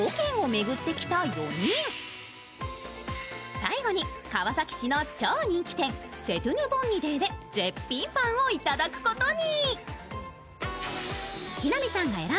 最後に川崎市の超人気店、セテュヌ・ボンニデーで絶品パンを頂くことに。